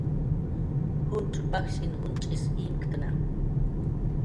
Juncx' pajshin junch'is imktna